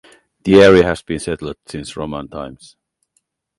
The area has been settled since Roman times.